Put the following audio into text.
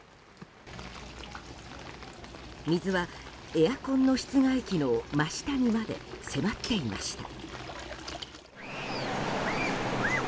水は、エアコンの室外機の真下にまで迫っていました。